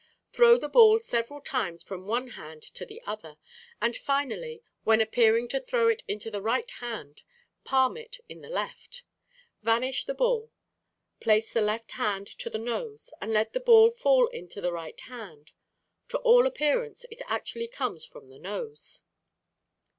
Throw the ball several times from one hand to the other, and finally, when appearing to throw it into the right hand, palm it in the left. Vanish the ball; place the left hand to the nose, and let the ball fall into the right hand. To all appearance it actually comes from the nose.